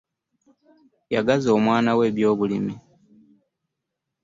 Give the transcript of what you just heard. Yagaza omwanawo ebyobulimi.